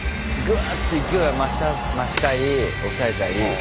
グーッと勢いが増したり抑えたり。